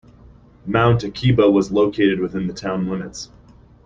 Mount Akiba was located within the town limits.